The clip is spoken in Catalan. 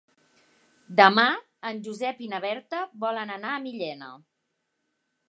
Demà en Josep i na Berta volen anar a Millena.